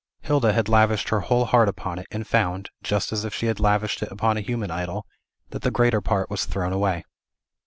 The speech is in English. Hilda had lavished her whole heart upon it, and found (just as if she had lavished it upon a human idol) that the greater part was thrown away.